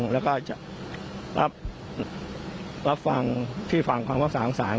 แล้วก็รับฟังที่ฟังความวาบสารศาล